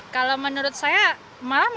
kalau menurut saya malah